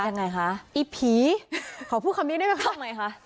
ยังไงคะไอ้ผีขอพูดคำนี้ได้ไหมคะไงคะ